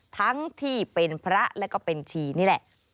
ทั้งที่เป็นพระและก็เป็นชีนี่แหละ